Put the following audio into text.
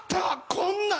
こんなん」。